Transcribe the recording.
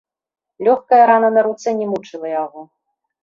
Лёгкая рана на руцэ не мучыла яго.